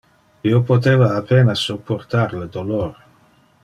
Io poteva a pena supportar le dolor.